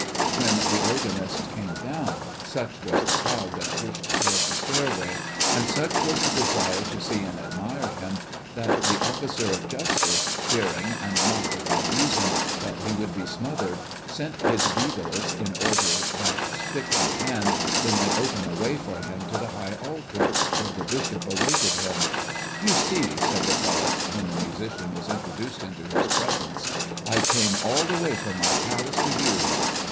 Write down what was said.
When the organist came down, such was the crowd that pushed toward the stairway, and such was the desire to see and admire him, that the officer of justice, fearing and not without reason that he would be smothered, sent his beadles, in order that, stick in hand, they might open a way for him to the high altar, where the bishop awaited him. "You see," said the prelate, when the musician was introduced into his presence, "I came all the way from my palace to hear you.